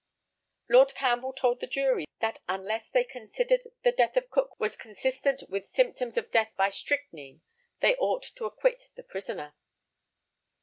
Lord CAMPBELL told the jury that unless they considered the death of Cook was consistent with symptoms of death by strychnine, they ought to acquit the prisoner.